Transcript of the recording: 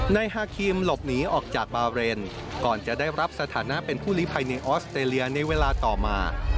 นายฮาครีมหลบหนีออกจากบาเรนก่อนจะได้รับสถานะเป็นผู้ลิภัยในออสเตรเลียในเวลาต่อมา